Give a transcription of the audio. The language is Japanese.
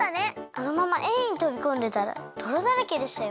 あのままＡにとびこんでたらどろだらけでしたよ！